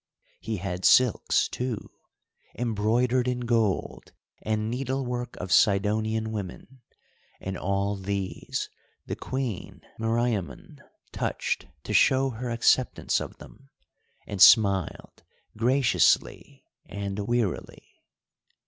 He had silks, too, embroidered in gold, and needlework of Sidonian women, and all these the Queen Meriamun touched to show her acceptance of them, and smiled graciously and wearily.